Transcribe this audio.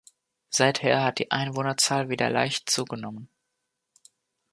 Seither hat die Einwohnerzahl wieder leicht zugenommen.